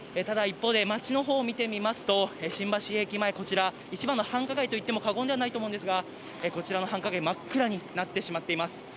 ただ、一方で街のほうを見てみますと新橋駅前こちらは一番の繁華街といっても過言ではないと思いますがこちらの繁華街真っ暗になってしまっています。